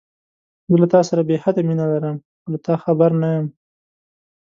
زه له تاسره بې حده مينه لرم، خو له تا خبر نه يم.